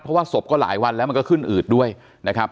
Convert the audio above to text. เพราะว่าศพก็หลายวันแล้วมันก็ขึ้นอืดด้วยนะครับ